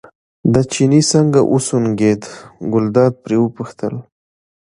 دا چيني څنګه وسونګېد، ګلداد پرې وپوښتل.